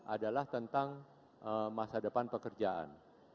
adalah tentang masa depan pekerjaan